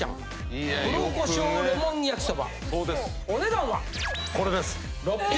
お値段は。